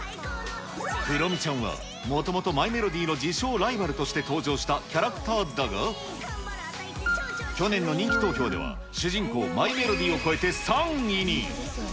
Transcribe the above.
クロミちゃんはもともと、マイメロディの自称ライバルとして登場したキャラクターだが、去年の人気投票では、主人公、マイメロディを超えて３位に。